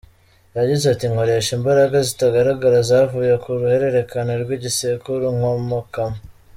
Yagize ati “Nkoresha imbaraga zitagaragara zavuye ku ruhererekane rw’igisekuru nkomokamo.